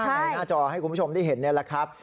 ในหน้าจอให้คุณผู้ชมได้เห็นนี่แหละครับ